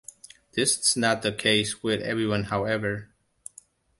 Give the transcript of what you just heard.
This is not the case with everyone, however.